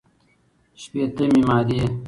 شپېتمې مادې